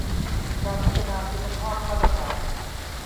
การพัฒนาคุณภาพมาตรฐาน